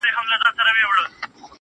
خدايه زما پر ځای ودې وطن ته بل پيدا که.